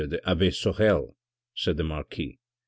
the abbe Sorel," said the Marquis.